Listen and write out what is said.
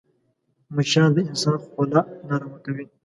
مچان د انسان خوله ناارامه کوي